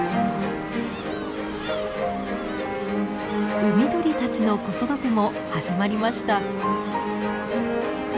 海鳥たちの子育ても始まりました。